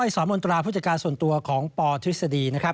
สอนมนตราผู้จัดการส่วนตัวของปทฤษฎีนะครับ